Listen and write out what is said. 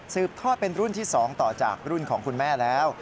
ทอดเป็นรุ่นที่๒ต่อจากรุ่นของคุณแม่แล้ว